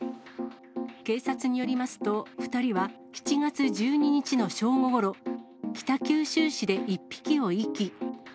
警察によりますと、２人は７月１２日の正午ごろ、北九州市で１匹を遺棄。